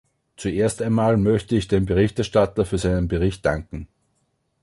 Zuerst einmal möchte ich dem Berichterstatter für seinen Bericht danken.